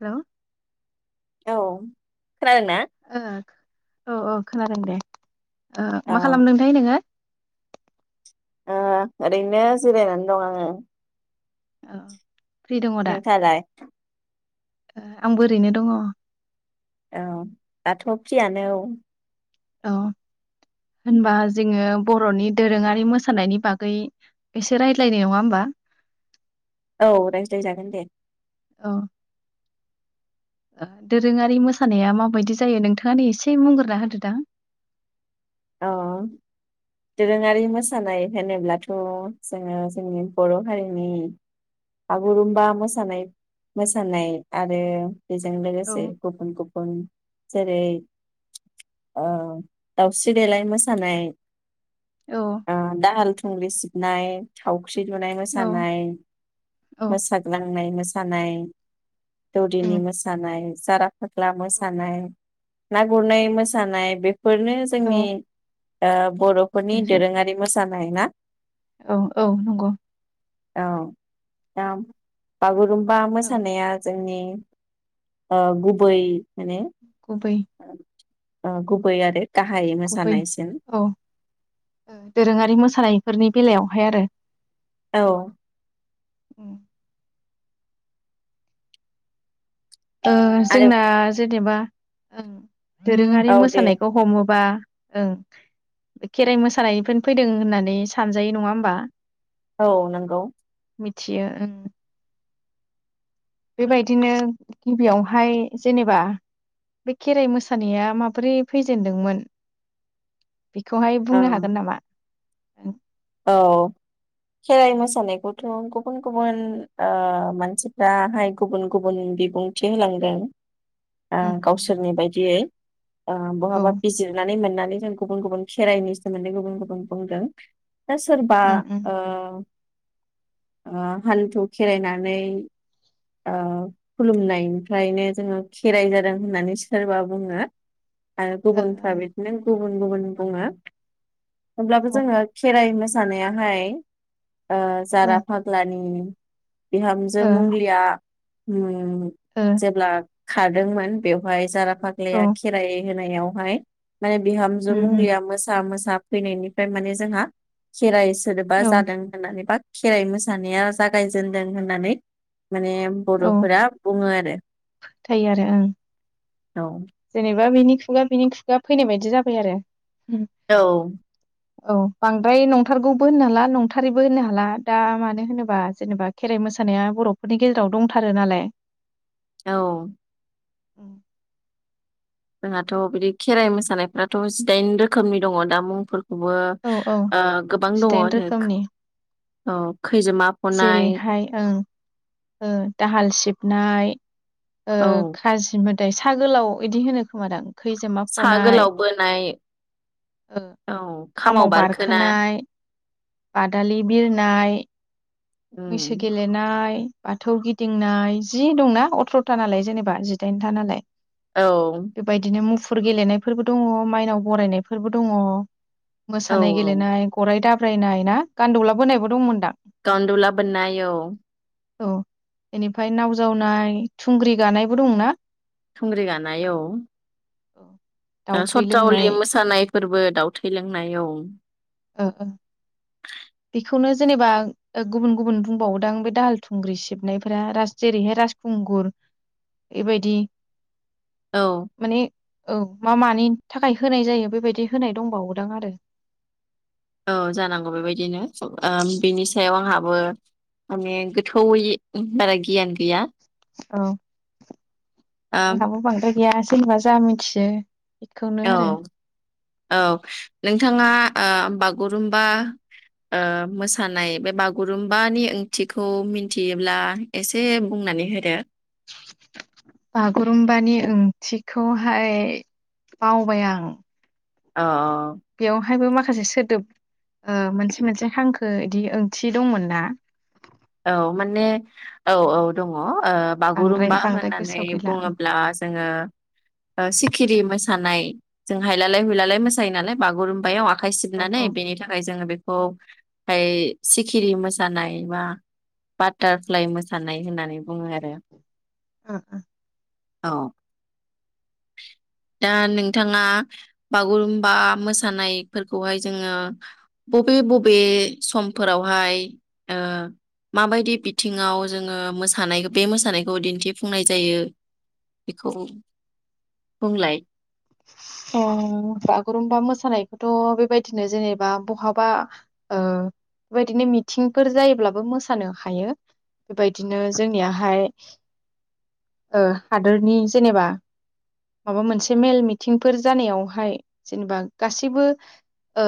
हेल' औ खोनादों ना ओ औ औ खोनादों दे ओ औ मा खालामदोंथाय नोङो ओ ओरैनो जिरायनानै दं आङो औ फ्रि दङ दा नोंथाङालाय? आंबो ओरैनो दङ औ दाथ' फ्रियानो औ औ होनबा जोङो बर'नि दोरोङारि मोसानायनि बागै एसे रायज्लायनाय नङा होमबा औ रायजदाय जागोन दे। औ दोरोङारि मोसानाया माबायदि जायो नोंथाङानो एसे बुंग्रोना होदोदां अ दोरोङारि मोसानाय होनोब्ला थ' जोङो जोंनि बर' हारिनि बागुरुम्बा मोसानाय मोसानाय आरो बेजों औ लोगोसे गुबुन गुबुन जेरै ओह दाव दावस्रि देलाय मोसानाय औ आ दाल थुंग्रि नाय थाव थावख्रि लुनाय औ मोसानाय औ मोसाग्लांनाय मोसा मोसानाय दौदिनि उम मोसानाय जारा फाग्ला मोसानाय ना गुरनाय मोसानाय बेफोरनो औ जोंनि ओह दे बर'फोरनि जों दोरोङारि मोसानाय जानाय ना औ औ नंगौ औ दा बागुरुम बा औ मोसानाया जोंनि ओ गुबै माने गुबै ओ गुबै आरो गाहाय गुबै मोसानायसिम औ ओ दोरोङारि मोसानायफोरनि बेलायाव महाय आरो। औ उम‌ ओ आरो जोंना जे नेबा ओं दोरोङारि औ दे मोसानायखौ हमोबा ओं खेराइ मोसानायनिफ्रायनो फैदों होननानै सानजायो नङा होमबा। औ नोंगौ। मिथियो ओं बेबायदिनो। गिबियावहाय जेनेबा बे खेराइ मोसानाया माबोरै फैजेनदोंमोन बेखौहाय बुंनो ओं हागोन नामा? ओं औ खेराइ मोसानायखौथ गुबुन गुबुन ओ मानसिफ्राहाय गुबुन गुबुन बिबुंथि होलांदों । ओ उम गावसोरनि बायदियै ओ औ बहाबा बिजिरनानै मोननानै जों गुबुन गुबुन खेराइनि सोमोन्दै गुबुन गुबुन बुंदों दा सोरबा उम उम ओ ओ हान्थु खेरायनानै ओ खुलुमनायनिफ्रायनो जोङो खेराइ जादों होननानै सोरबा बुङो। आरो गुबुनफ्रा बिदिनो गुब गुबुन गुबुन बुङो होमब्लाबो ओ जोङो [unintelligible] मोसानायाहाय ओ ओ जारा फाग्लानि बिहामजो औ मुग्लिया उम उम ओ जेब्ला खारदोंमोन बेवहाय जारा फाग्लाया औ खेराय होनायावहाय माने बिहामजो उम उम मुंग्लिया मोसा मोसाब फैनायनिफाय माने जोंहा खेराइस सोदोबा औ जादों होननानै बाख खेराइ मोसानाया जागायजेनदों होननानै माने औ बर'फोरा बुङो आरो फोथायो आरो ओं औ। जेनेबा बिनि खुगा बिनि खुगा फैनाय बायदि जाबाय आरो। औ औ बांद्राय नंथारगौबो होननो हाला नंथारैबो होननो हाला दा मानो होनोबा जेनेबा खेराइ मोसानाया बर'फोरनि गेजेराव दंथारो नालाय। औ। उम। जोंहाथ' बिदि खेराइ मोसानायफ्राथ' जिदाइन रोखोमनि दङ दा मुंफोर बो औ औ ओ गोबां दङ जिदाइन [unintelligible] रोखोमनि औ। खैजोमा फनाय जेरैहाय ओं ओ दाहाल सिबनाय ओ औ काजिमोथ दाय साहा गोलाव इदि होनो खोमादों। खैजोमा सा फनाय गोलाव बोनाय ओ औ खामाव बारखोना बारखोनाय बादालि बिरनाय उम मैसो गेलेना नाय बाथौ गिदिंनाय जि दंना अथ्रथा नालाय जेनेबा जिदाइनथा नालाय। औ बेबायदिनो मुफ मुफुर गेलेनाय फोरबो दङ माइनाव बरायनाय फोरबो दङ। मोसानाय औ गेलेनाय गराय दाब फ्रायनाय ना गान्दौला बोनायबो दंमोनदा? गान्दौला बोननाय औ। औ बेनिफ्राय नाव जावनाय थुंग्रि गानायबो दंना? थुंग्रि गानाय औ। ओ ओ दाउ थै लोंनाय सतावलि मोसानाय फोरबो दाउ थै लोंनाय औ। [unintelligible] बेखौनो जेनेबा गुबुन गुबुन बुंबावोदां बे दाहाल थुंग्रि सिबनायफोरा जेरैहाय राजखुंगुर एबायदि औ औ मा मानि थाखाय होनाय जायो बेबायदि होनाय दंबावोदां आरो। औ जानांगौ बेबायदिनो आ बिनि सायाव आंहाबो माने गोथौैयै बारा गियान गैया । औ ओम आंहाबो बांद्रा या जेनेबा जा मिथियो। बेखौनो औ आरो औ। नोंथाङा ओ बागुरुमबा ओ मोसानाय बे बागुरुमबानि ओंथिखौ मिथियोब्ला एसे बुंनानै होदो? बागुरुम्बानि ओंथिखौहाय बावबाय आं। अ अ। हायबो माखासे सोदोब ओ मोनसे मोनसे हांखो बिदि ओंथि दंमोन ना? औ माने। औ औ दङ ओ बांद्राय बागुरुम्बा बांद्राय होननानै गोसोआव गैला बुङोब्ला जोङो ओ सिखिरि मोसानाय जों हायलालाय हुयलालाय मोसायो नालाय। बागुरुमबायाव आखाइ औ सिबनानै औ बेनि थाखाय जोङो बेखौ ओमफाय सिखिरि मोसानाय बा बाटारफ्लाइ मोसानाय होननानै बुङो आरो। ओओ औ दा नोंथांङा बागुरुमबा मोसानायफोरखौहाय जोङो बबे बबे समफोरावहाय ओ मा बायदि बिथिङाव जोङो मोसानाय बे मोसानायखौ दिन्थिफुंनाय जायो बेखौ बुंलाय? अ बागुरुमबा मोसानायखौथ' बेबायदिनो जेनेबा बहाबा ओ बे बायदिनो मिथिंफोर जायोब्लाबो मोसानो हायो बे बायदिनो जोंनियाहाय ओ हादोरनि जेनेबा माबा मोनसे मेल मिथिंफोर जानायावहाय जेनेबा गासैबो ओ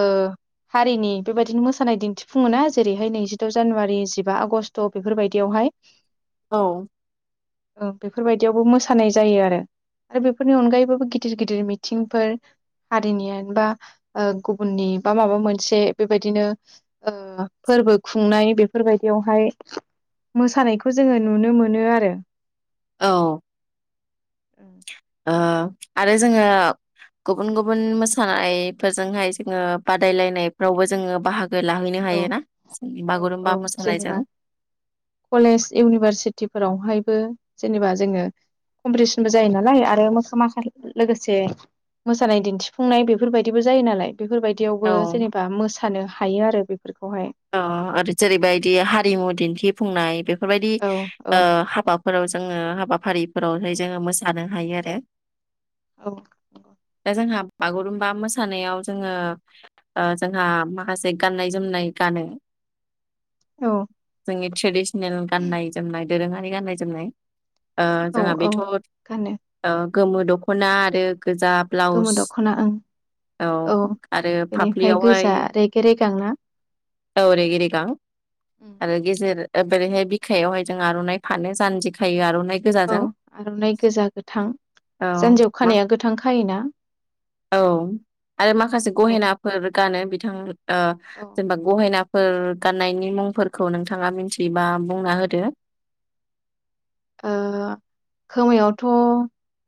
हारिनि बे बायदिनो मोसानाय दिन्थिफुंङा जेरैहाय नैजिद' जानुवारि जिबा आगषट बेफोर बायदियावहाय औ ओं बेफोर बायदियावबो मोसानाय जायो आरो आरो बेफोरनि अनगायैबोबो गिदिर गिदिर मिथिंफोर हारिनिबा ओ गुबुननि बा माबा मोनसे बेबायदिनो ओ फोरबो खुंनाय बेफोर बायदियावहाय मोसानायखौ जोङो नुनो मोनो आरो। औ। उम बा आरो जोङो गुबुन गुबुन मोसानायफोरजोंहाय जोङो बादाय लायनायफ्रावबो जोङो बाहा गोलाहैनो औ हायो ना जोंनि औ औ बागुरुमबा जेनेबा मोसानायजों। कलेज इउनिभार सिटि फोरावहायबो जेनेबा जोङो कमपिटिसनबो जायो नालाय आरो मोखा माखा लोगोसे मोसानाय दिन्थिफुंनाय बेफोरबायदिबो जायो नालाय औ बेफोरबायदियावबो जेनेबा मोसानो हायो आरो बे फोरखौहाय अ आरो जेरैबायदि हारिमु दिन्थिफुंनाय बे बेफोरबायदि औ औ ओ हाबा फोराव जोङो हाबाफारि फोरावहाय ओं जोङो मोसानो। हायो आरो औ नंगौ। [inaudible] दा जोंहा बागुरुमबा मोसानायाव जोङो ओ जोंहा माखासे गाननाय जोमनाय गानो औ जोंनि थ्रेदिस [unintelligible] गाननाय जोमनाय दोरोङारि गाननाय जोमनाय ओ औ जोंहा औ बेथ'ओ गानो गोमो दख'ना आरो गोजा ब्लाउस गोमो दख'ना ओं औ आरो बेनिफ्राय फाफ्लियावहाय गोजा रेगे रेगां ना औ रेगे रेगां उम। आरो गेजे बोरैहाय बिखायावहाय जों आर'इ फानो जानजि खायो आर'नाय नाय औ गोजाजों आर'नाइ गोजा गोथां [inaudible] औ जानजियाव मा खानाया गोथां खायोना? औ आरो माखासे औ गहेना फोर गानो बि थां ओ औ जेनबा गहेनाफोर गाननायनि मुंफोरखौ नोंथाङा मिथियोबा बुंना होदो ओ खोमायावथ'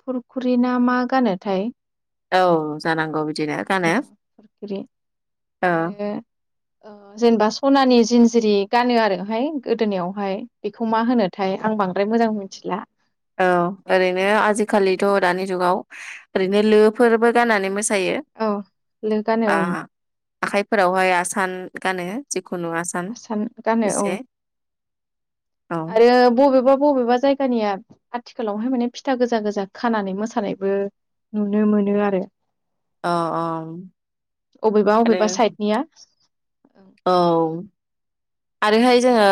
फुरखुरि ना मा गानोथाय औ जानांगौ बि [inaudible] औ आरो ओ जेनेबा सनानि जिन्जिरि गानो आरोहाय गोदोनिायावहाय बेखौ मा होनोथाय आं बांद्राय मोजां मिथिला औ ओरैनो आजिखालिथ' दानि जुगाव ओरैनो लोफोरबो गाननानै मोसा मोसायो औ लो गानो ओं आं आखाइफोरावहाय आसान गानो आसान गानो औ एसे औ आरो बबेबा बबेबा जायगानिया आथिखालावहाय माने फिथा गोजा गोजा खानानै मोसानायबो नुनो मोनो आरो औ औ अबेबा आरो अबेबा साइडनिया औ आरोहाय जोङो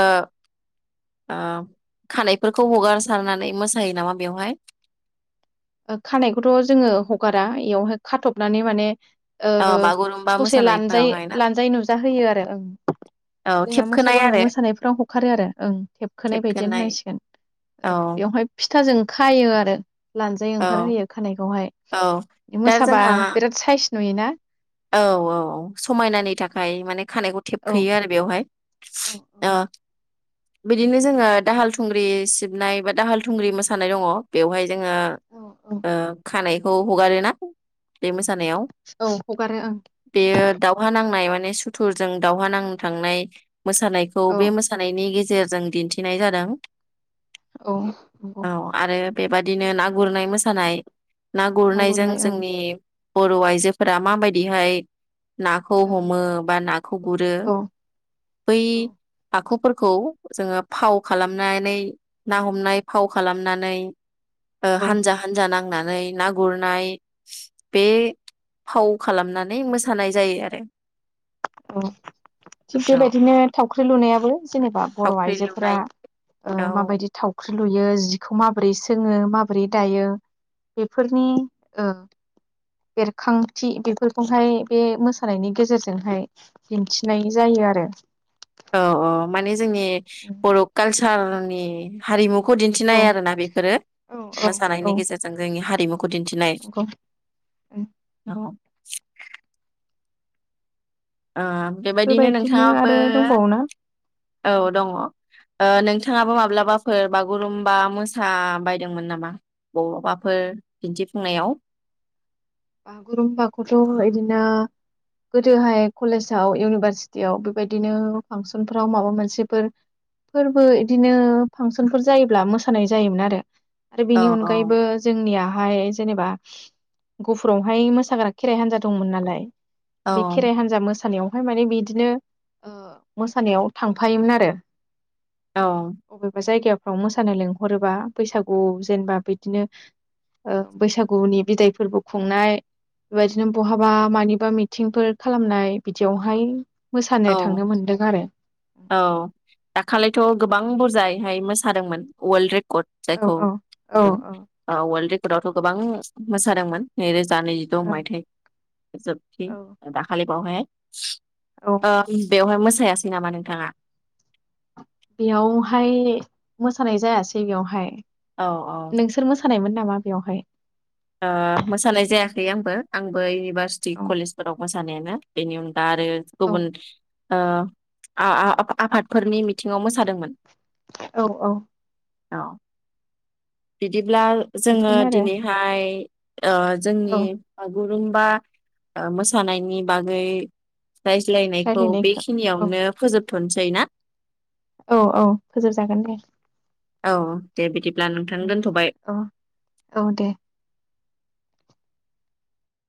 खानायफोरखौ हगारसारनानै मोसायो नामा बेवहाय खानायखौथ' जोङो हगारा बेयावहाय खाथबनानै माने ओ औ बागुरुम्बा ससे लानजाय मोसानायफोरावहाय ना लानजाय नुजाहोयो आरो ओं औ जोंना थेबखोनाय मोसाग्लांनाय आरो मोसानायफ्राव हखारो आरो ओं थेबखोनाय बायदिनो होननांसिगोन औ ओ बेवहाय फिथाजों खायो आरो ला औ ओंखारहोयो खानायखौहाय औ दा मोसाबा जोंहा बिराद साइस नुयोना? औ औ औ समायनानि थाखाय माने खानायखौ थेबखोयो आरो बेवहाय औ अ । बिदिनो जोङो दाहाल थुंग्रि सिबनाय बा दाहाल थुंग्रि मोसानाय दङ बेवहाय जोङो औ औ खानाय हगारोना बे मो जानायाव औ हगारो ओं । माने सुथुरजों दावहा नांनो थांनाय मोसानायखौ औ बे मोसानायनि गेजेर गेजेरजों दिन्थिनाय जादों । औ नंगौ । बेबादिनो ना गुरनाय मोसानाय ना गुरनायजों गुरनाय ओं जोंनि बर आइजो फोरा माबायदिहाय नाखौ हमो बा नाखौ गुरो ओ बै औ आखुफोरखौ जोङो फाव खालामनानै ना हमनाय फाव खालामनानै ओ औ हानजा हानजा नांना । नै नाय ना गुरनाय बे फाव खालामनानै मोसानाय जायो आरो । थिग औ बेबायदिनो थावख्रि लुनायाबो जेनेबा बर थावख्रि आइजोफोरा लुनाय ओ औ माबायदि थावख्रि लुयो जिखौ माबोरै सोङो माबोरै दायो बेफोरनि बेरखांथि बेफोरखौहाय बे मोसानायनि गेजेरजोंहाय दिन्थिनाय जायो आरो । औ औ माने जोंनि बर काल्स [unintelligible] नि हारिमु बेखौ औ दिन्थिनाय आरोना बेफोरो औ औ औ मोसानायनि गेजेरजों जोंनि हारिमुखौ दिन्थिनाय नंगौ औ । [inaudible] ओ बेबायदिनो नोंथाङाबो आरो दंबावोना औ दङ । ओ नोंथाङाबो माब्लाबाफोर बागुरुम्बा मोसा बायदोंमोन नामा बबाफोर दिन्थिफुंनायाव? बागुरुम्बाखौथ बिदिनो गोदोहाय कलेजाव इउनिभारसिटियाव बेबायदिनो फांसनफोराव माबा मोनसेफोर फोरबो बिदिनो फांसनफोर जायोब्ला मोसानाय जायोमोन आरो । आरो औ बेनि अनगायैबो जोंनिया हाय जेनबा गफुरावहाय मोसाग्रा खेराइ हान्जा दंमोन नालाय बे औ खेराइ हान्जा मोसानायाव ओमफाय माने बिदिनो मोसानायाव थांफायोमोन आरो । औ अबेबा जायगायाव औ मोसानो लिंहरोबा बैसागुआव जेनेबा बिदिनोस ओ बैसागुनि बिदाय फोरबो खुंनाय बेबायदिनो बहाबा मानिबा मिटिंफोर खालामनाय बिदियावहाय औ मोसानो थांनो मोनदों आरो औ दाखालिथ' गोबां बुरजाय हाय मोसादोंमोन अवालड रे कत औ जायखौ औ औ बुंदों औ वर्ड रेक गोबां मोसादोंमोन नै रोजा जा नैजिद' औ मायथाइ जोबथि औ दाखालि बावहाय [inaudible] औ ओ‌ बेवहाय मोस। मोसायासै नामा नोंथाङा। बेयावहाय मोसानाय जायासै बेयावहाय। औ औ नोंसोर मोसानायमोन नामा? बेवहाय। ओ मोसानाय जायाखै आंबो आं [unintelligible] भारसिटि औ कलेजफोराव मो जानायानो बिनिअन। आरो औ गुबुन ओ आआ आफादफोरनि मिथिङाव मोसादोंमोन। औ औ। औ बिदि। ब्ला जोङो बेफोरनो आरो दिनैहाय। इ। ओ जोंनि औ गुरुंबा मोसानायनि बागै। रायज्लायनायखौ रायलायनायखौ औ बेखिनियावनो फोजोब थ नोसै ना। औ औ फोजोबजागोन दे औ दे बिदि। ब्ला नोंथां दोनथ'बाय। औ औ दे